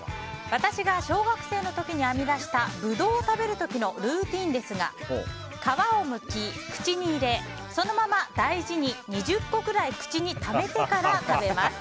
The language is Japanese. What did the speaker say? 私が小学生の時に編み出したブドウを食べる時のルーティンですが皮をむき、口に入れそのまま大事に２０個くらい口にためてから食べます。